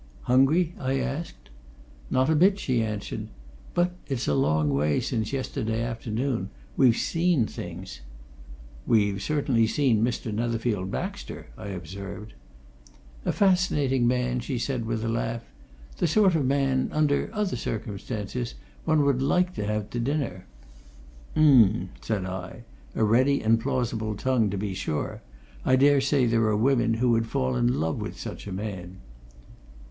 "Hungry?" I asked. "Not a bit," she answered. "But it's a long way since yesterday afternoon. We've seen things." "We've certainly seen Mr. Netherfield Baxter," I observed. "A fascinating man!" she said, with a laugh. "The sort of man under other circumstances one would like to have to dinner." "Um!" said I. "A ready and plausible tongue, to be sure. I dare say there are women who would fall in love with such a man."